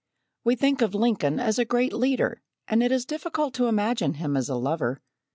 We think of Lincoln as a great leader, and it is difficult to imagine him as a lover.